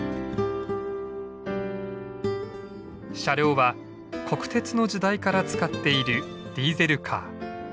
車両は国鉄の時代から使っているディーゼルカー。